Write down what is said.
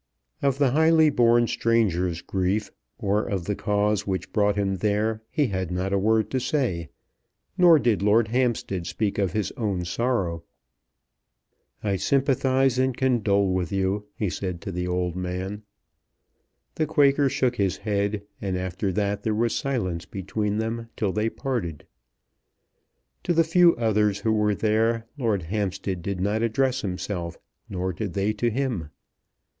Of the highly born stranger's grief, or of the cause which brought him there, he had not a word to say; nor did Lord Hampstead speak of his own sorrow. "I sympathize and condole with you," he said to the old man. The Quaker shook his head, and after that there was silence between them till they parted. To the few others who were there Lord Hampstead did not address himself, nor did they to him.